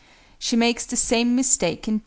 She makes the same mistake in (2).